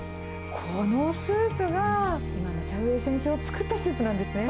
このスープが、今のシャウ・ウェイ先生を作ったスープなんですね。